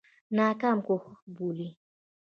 ناکام کوښښ بولي.